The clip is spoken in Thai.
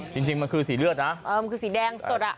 จริงจริงมันคือสีเลือดนะเออมันคือสีแดงสดอ่ะ